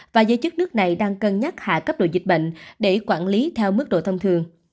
và giới chức nước này đang cân nhắc hạ cấp độ dịch bệnh để quản lý theo mức độ thông thường